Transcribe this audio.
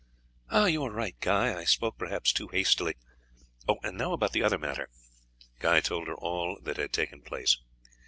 "You are right, Guy; I spoke perhaps too hastily. And now about the other matter." Guy told her all that had taken place.